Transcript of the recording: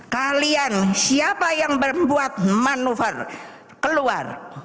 kalian siapa yang membuat manuver keluar